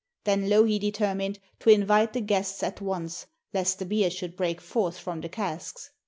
Then Louhi determined to invite the guests at once, lest the beer should break forth from the casks.